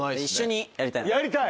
やりたい？